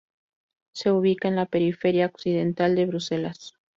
Se ubica en la periferia occidental de Bruselas.